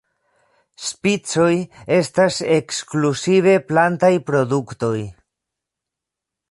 Spicoj estas ekskluzive plantaj produktoj.